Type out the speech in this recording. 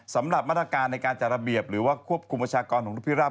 สำหรับในการจำควบคุมประชากรความตัวแรกของนกพิราบ